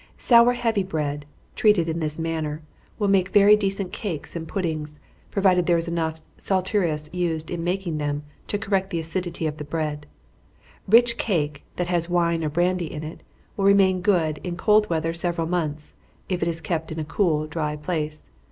Sour heavy bread, treated in this manner, will make very decent cakes and puddings, provided there is enough saleratus used in making them to correct the acidity of the bread. Rich cake, that has wine or brandy in it, will remain good in cold weather several months, if it is kept in a cool, dry place.